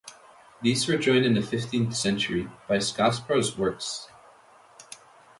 These were joined in the fifteenth century by Scots prose works.